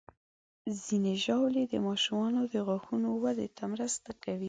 ځینې ژاولې د ماشومانو د غاښونو وده ته مرسته کوي.